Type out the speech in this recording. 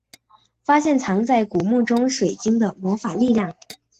发现藏在古墓中水晶的魔法力量。